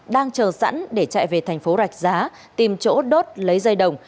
đang chờ sẵn để chạy về thành phố rạch giá tìm chỗ đốt lấy dây đồng